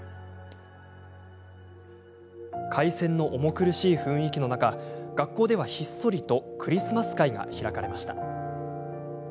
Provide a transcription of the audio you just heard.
開戦の重苦しい雰囲気の中学校では、ひっそりとクリスマス会が開かれました。